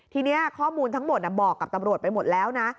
ทีนี้ข้อมูลทั้งหมดบอกกับตำรวจไปหมดแล้วนะ